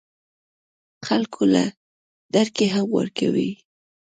خلکو له دړکې هم ورکوي